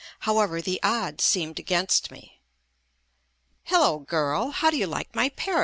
However, the odds seemed against me. "Hello, girl, how do you like my Paris?"